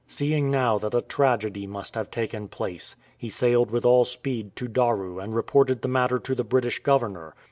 Seeing now that a tragedy must have taken place, he sailed with all speed to Daru and reported the 296 MURDER OF TAMATE matter to the British Governor.